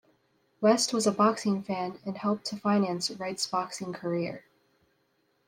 West was a boxing fan and helped to finance Wright's boxing career.